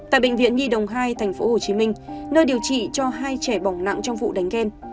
tại bệnh viện nhi đồng hai tp hcm nơi điều trị cho hai trẻ bỏng nặng trong vụ đánh ghen